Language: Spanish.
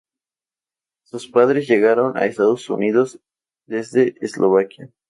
Sus padres llegaron a Estados Unidos desde Eslovaquia.